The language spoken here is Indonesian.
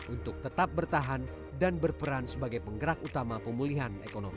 untuk tetap bertahan dan berperan sebagai penggerak utama pemulihan ekonomi